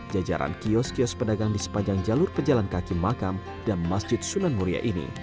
jajaran kios kios pedagang di sepanjang jalur pejalan kaki makam dan masjid sunan muria ini